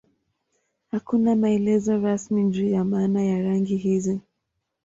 Hakuna maelezo rasmi juu ya maana ya rangi hizi.